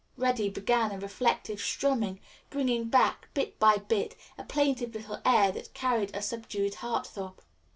Reddy began a reflective strumming, bringing back, bit by bit, a plaintive little air that carried a subdued heart throb.